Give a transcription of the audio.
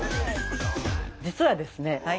実はですね